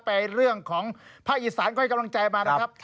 ไปเรื่องของภาคอีสานก็ให้กำลังใจมานะครับ